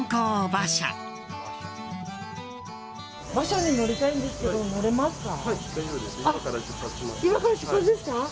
馬車に乗りたいんですけど乗れますか？